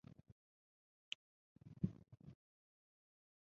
একদিন রাত্রিকালে নদী দুই কূল প্লাবিত করিল, আর সমগ্র গ্রামটিই জলমগ্ন হইল।